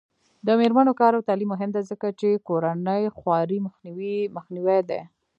د میرمنو کار او تعلیم مهم دی ځکه چې کورنۍ خوارۍ مخنیوی دی.